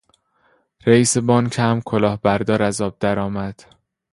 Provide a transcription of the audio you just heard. رئیس بانک هم کلاهبردار از آب درآمد.